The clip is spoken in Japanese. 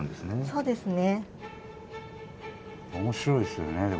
そうですね。